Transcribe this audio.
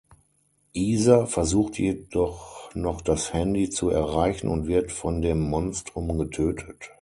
Iza versucht jedoch noch das Handy zu erreichen und wird von dem Monstrum getötet.